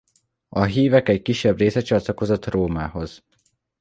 A hívek egy kisebb része csatlakozott Rómához.